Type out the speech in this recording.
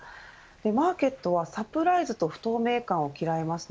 マーケットはサプライズと不透明感をきらいます。